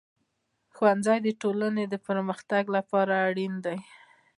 ښوونځی د ټولنیز پرمختګ لپاره اړین دی.